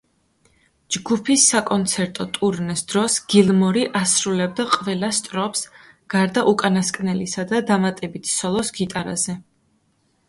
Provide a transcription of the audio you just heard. ჯგუფის საკონცერტო ტურნეს დროს გილმორი ასრულებდა ყველა სტროფს, გარდა უკანასკნელისა და დამატებით სოლოს გიტარაზე.